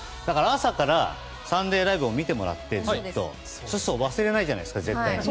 朝から、「サンデーＬＩＶＥ！！」を見てもらってそうすると忘れないじゃないですか絶対に。